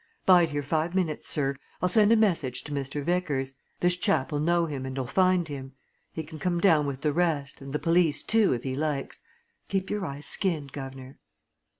'Bide here five minutes, sir I'll send a message to Mr. Vickers this chap'll know him and'll find him. He can come down with the rest and the police, too, if he likes. Keep your eyes skinned, guv'nor."